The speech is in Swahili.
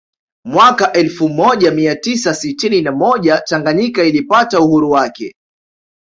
Mwaka elfu moja mia tisa sitini na moja Tanganyika ilipata uhuru wake